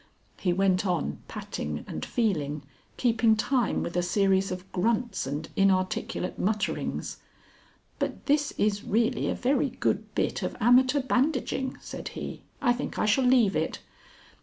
He went on patting and feeling, keeping time with a series of grunts and inarticulate mutterings.... "But this is really a very good bit of amateur bandaging," said he. "I think I shall leave it.